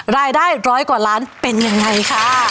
ร้อยกว่าล้านเป็นยังไงค่ะ